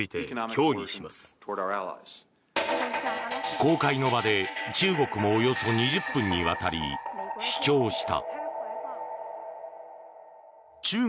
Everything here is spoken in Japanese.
公開の場で中国もおよそ２０分にわたり主張した。